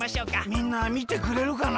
みんなみてくれるかな。